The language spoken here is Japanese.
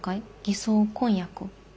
偽装婚約？